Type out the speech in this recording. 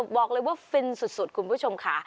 บอกเลยว่าฟินสุดคุณผู้ชมค่ะ